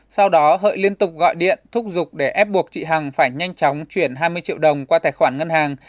sau đó hợi liên tục gọi điện thúc giục để ép buộc chị hằng phải nhanh chóng chuyển hai mươi triệu đồng qua tài khoản ngân hàng